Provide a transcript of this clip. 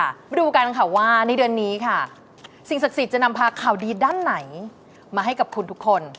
มาดูกันค่ะว่าในเดือนนี้ค่ะสิ่งศักดิ์สิทธิ์จะนำพาข่าวดีด้านไหนมาให้กับคุณทุกคน